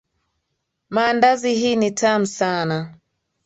Maandazi hii ni tamu sana.